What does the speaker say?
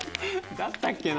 だったっけな？